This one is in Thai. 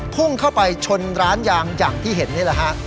พุ่งเข้าไปชนร้านยางอย่างที่เห็นนี่แหละฮะ